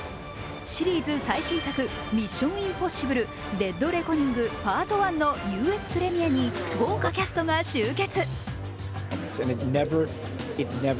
シリーズ最新作「ミッション：インポッシブル／デッドレコニングＰＡＲＴＯＮＥ」のＵＳプレミアに豪華キャストが集結。